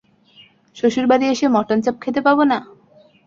শ্বশুরবাড়ি এসে mutton chop খেতে পাব না?